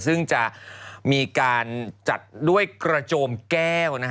ซึ่งจะมีการจัดด้วยกระโจมแก้ว